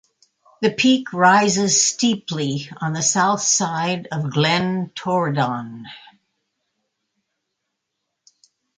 The peak rises steeply on the south side of Glen Torridon.